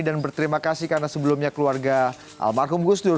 dan berterima kasih karena sebelumnya keluarga almarhum gusdur